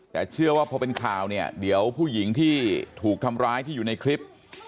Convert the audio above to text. แต่เชื่อว่าพอเป็นข่าวเนี่ยเดี๋ยวผู้หญิงที่ถูกทำร้ายที่อยู่ในคลิป